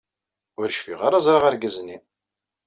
Ur cfiɣ ara ẓriɣ argaz-nni.